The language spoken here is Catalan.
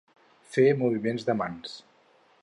Fer moviments de mans.